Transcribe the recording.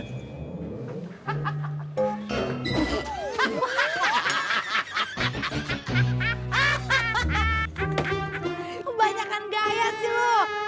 kebanyakan gaya sih lu